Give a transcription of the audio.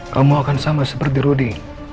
kamu akan sama seperti rudy